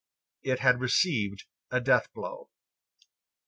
It had received a death blow.